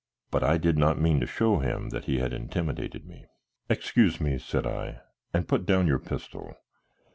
But I did not mean to show him that he had intimidated me. "Excuse me," said I, "and put down your pistol.